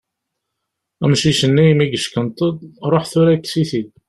Amcic-nni, mi yeckenṭeḍ, ṛuḥ tura kkes-it-id.